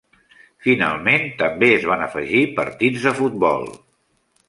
Finalment, també es van afegir partits de futbol.